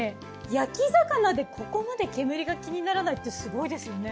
焼き魚でここまで煙が気にならないってすごいですよね。